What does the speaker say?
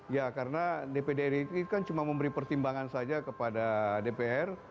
ya karena dpd ri kan cuma memberi pertimbangan saja kepada dpr